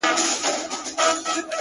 • ستا د څوڼو ځنگلونه زمـا بــدن خـوري؛